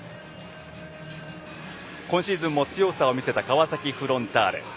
今シーズンも強さを見せた川崎フロンターレ。